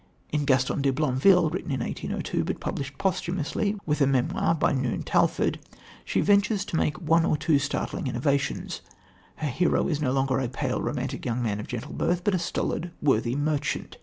In Gaston de Blondeville, written in 1802, but published posthumously with a memoir by Noon Talfourd, she ventures to make one or two startling innovations. Her hero is no longer a pale, romantic young man of gentle birth, but a stolid, worthy merchant.